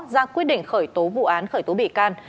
ra quyết định khởi tố vụ án khởi tố bị can